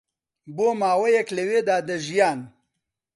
بۆ ماوەیەک لەوێدا دەژیان